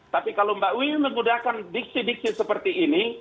tapi kalau mbak wiwi menggunakan diksi diksi seperti ini